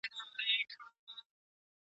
ګرېوان دي لوند دی خونه دي ورانه ,